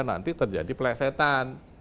nanti terjadi pelesetan